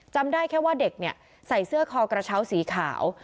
จำได้แค่ว่าเด็กใส่เสื้อคอกระเชาสีขาว